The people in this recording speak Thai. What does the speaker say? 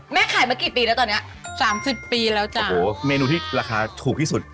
ขายมากี่ปีแล้วตอนเนี้ยสามสิบปีแล้วจ้ะโอ้โหเมนูที่ราคาถูกที่สุด